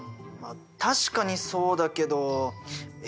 まあ確かにそうだけど。